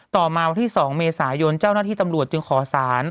ต่อมาวันที่๒เมษายนเจ้าหน้าที่ตำรวจจึงขอสาร